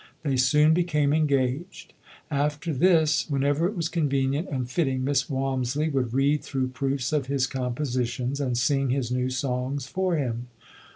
They soon became engaged. After this, whenever it was convenient and fit ting, Miss Walmisley would read through proofs of his compositions and sing his new songs for him.